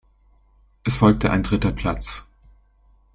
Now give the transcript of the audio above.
Es folgte ein dritter Platz.